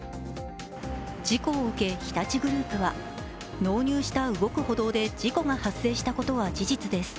事故を受け日立グループは納入した動く歩道で事故が発生したことは事実です